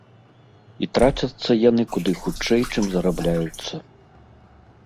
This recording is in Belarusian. І трацяцца яны куды хутчэй, чым зарабляюцца.